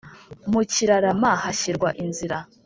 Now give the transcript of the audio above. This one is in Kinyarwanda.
mu kirarama, hashyirwa inzira